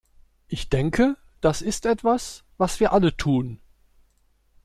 Ich denke, das ist etwas, was wir alle tun.